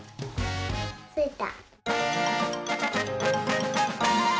ついた！